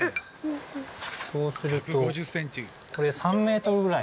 そうするとこれ３メートルぐらい。